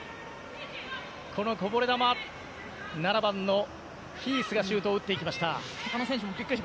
このこぼれ球に７番のヒースがシュートを打っていきました。